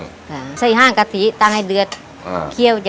มีพังงานมีเยอะ